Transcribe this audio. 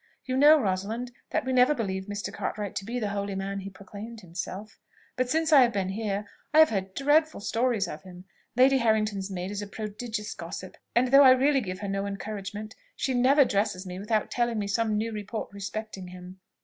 You know, Rosalind, that we never believed Mr. Cartwright to be the holy man he proclaimed himself; but since I have been here, I have heard dreadful stories of him. Lady Harrington's maid is a prodigious gossip; and though I really give her no encouragement, she never dresses me without telling me some new report respecting him.